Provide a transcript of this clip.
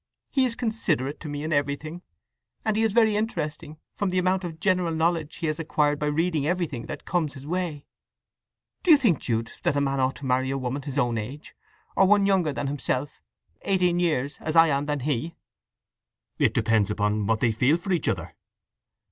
He is considerate to me in everything; and he is very interesting, from the amount of general knowledge he has acquired by reading everything that comes in his way. … Do you think, Jude, that a man ought to marry a woman his own age, or one younger than himself—eighteen years—as I am than he?" "It depends upon what they feel for each other."